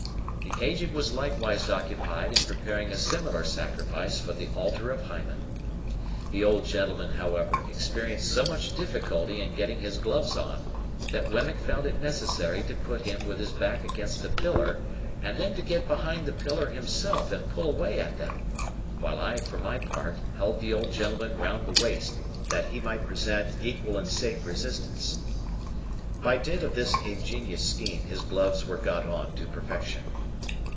The Aged was likewise occupied in preparing a similar sacrifice for the altar of Hymen. The old gentleman, however, experienced so much difficulty in getting his gloves on, that Wemmick found it necessary to put him with his back against a pillar, and then to get behind the pillar himself and pull away at them, while I for my part held the old gentleman round the waist, that he might present an equal and safe resistance. By dint of this ingenious scheme, his gloves were got on to perfection.